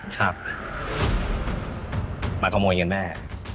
ครับมาขโมยเงินแม่